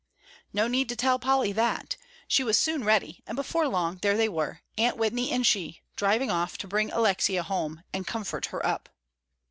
No need to tell Polly that. She was soon ready, and before long there they were, Aunty Whitney and she, driving off to bring Alexia home and comfort her up.